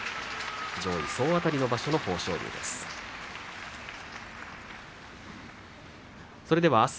上位総当たりの場所の豊昇龍です。